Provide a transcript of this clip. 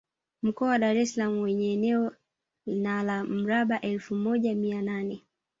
Mkoa wa Dar es Salaam wenye eneo na la mraba efu moja mia nane